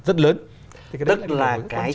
rất lớn tức là cái